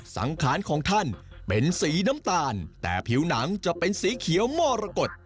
สังขารของท่านเป็นสีน้ำตาลแต่ผิวหนังจะเป็นสีเขียวมรกฏ